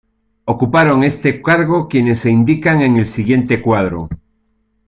Ocuparon este cargo quienes se indican en el siguiente cuadro.